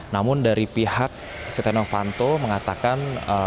namun dari pihak setia novanto mengatakan